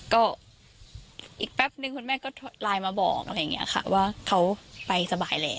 ก็อีกแป๊บนึงคุณแม่ก็ไลน์มาบอกอะไรอย่างนี้ค่ะว่าเขาไปสบายแล้ว